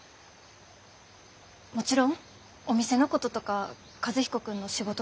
もちろんお店のこととか和彦君の仕事のこと